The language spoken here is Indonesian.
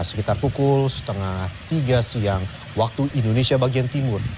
sekitar pukul setengah tiga siang waktu indonesia bagian timur